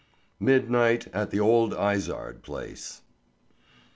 MIDNIGHT AT THE OLD IZARD PLACE.